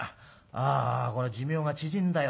あこりゃ寿命が縮んだよ。